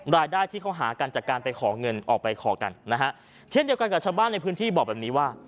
รายได้ที่เขาหากันจากการไปขอเงินออกไปขอกันนะฮะเช่นเดียวกันกับชาวบ้านในพื้นที่บอกแบบนี้ว่า